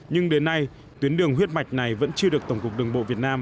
nhưng đến nay tuyến đường huyết mạch này vẫn chưa được tổng cục đường bộ việt nam